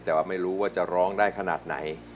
แต่ว่าไม่รู้ว่าจะร้องได้ขนาดไหน